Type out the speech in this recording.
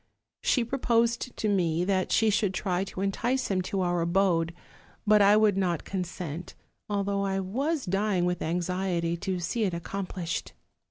She proposed to me that she should try to entice him to our abode; but I would not consent, although I was dying with anxiety to see it accomplished.